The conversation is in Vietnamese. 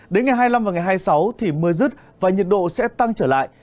đến ngày hai mươi năm và ngày hai mươi sáu thì mưa rứt và nhiệt độ sẽ tăng trở lại